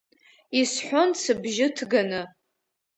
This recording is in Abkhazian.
Исҳәон сыбжьы ҭганы.